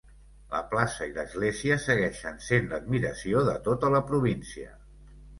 La plaça i l'església segueixen sent l'admiració de tota la província.